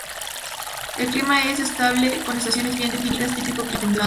El clima es estable, con estaciones bien definidas, típico clima templado.